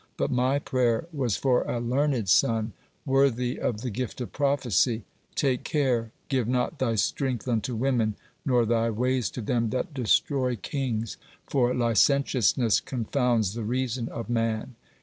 But my prayer was for a learned son worthy of the gift of prophecy. Take care, 'give not thy strength unto women nor thy ways to them that destroy kings,' for licentiousness confounds the reason of man.